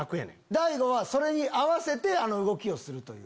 大悟はそれに合わせてあの動きをするという。